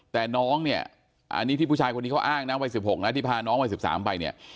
แต่น้องเนี่ยอันนี้ที่ผู้ชายคนนี้เขาอ้างนะวัย๑๖นะที่พาน้องวัย๑๓ไปเนี่ย